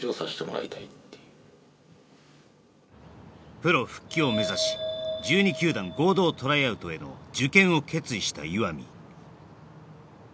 プロ復帰を目指し１２球団合同トライアウトへの受験を決意した岩見